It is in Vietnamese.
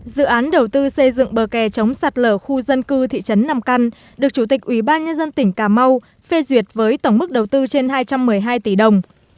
dự án đầu tư xây dựng bờ kè chống sạt lở khu dân cư thị trấn nam căn được chủ tịch ủy ban nhân dân tỉnh cà mau phê duyệt với tổng mức đầu tư trên hai trăm một mươi hai tỷ đồng